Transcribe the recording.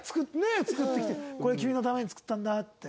作ってきてこれ君のために作ったんだって。